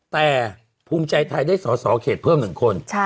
แต่ภูมิใจไทยได้สอสอเขตเพิ่ม๑คน